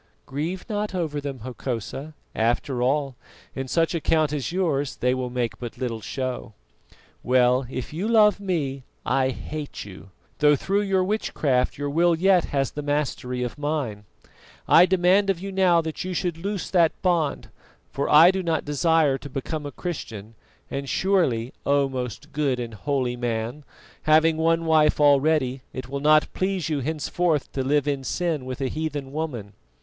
"Grieve not over them, Hokosa; after all, in such a count as yours they will make but little show. Well, if you love me, I hate you, though through your witchcraft your will yet has the mastery of mine. I demand of you now that you should loose that bond, for I do not desire to become a Christian; and surely, O most good and holy man, having one wife already, it will not please you henceforth to live in sin with a heathen woman."